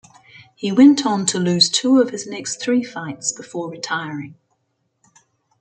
He went on to lose two of his next three fights before retiring.